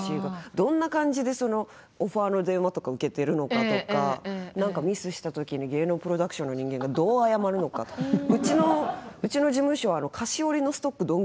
どんな感じでオファーの電話とか受けてるのかとか何かミスした時に芸能プロダクションの人間がどう謝るのかとかうちの事務所菓子折のストックどんぐらいあんねやろうとかね